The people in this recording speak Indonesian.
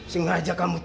di mana pempies